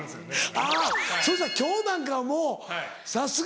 あぁそしたら今日なんかはもうさすが。